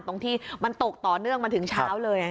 ตรงที่มันตกต่อเนื่องมาถึงเช้าเลย